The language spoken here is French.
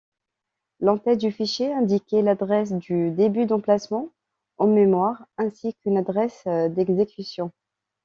L'en-tête du fichier indiquait l'adresse du début d'emplacement en mémoire ainsi qu'une adresse d'exécution.